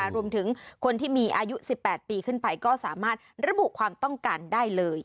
รวมถึงคนที่มีอายุ๑๘ปีขึ้นไปก็สามารถระบุความต้องการได้เลย